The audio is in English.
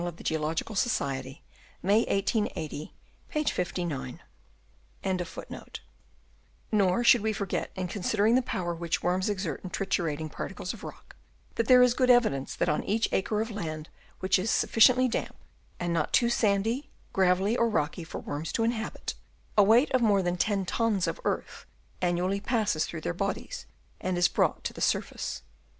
261 " hundred yards." * Nor should we forget, in considering the power which worms exert in triturating particles of rock, that there is good evidence that on each acre of land, which is sufficiently damp and not too sandy, gravelly or rocky for worms to inhabit, a weight of more than ten tons of earth annually passes through their bodies and is brought to the surface.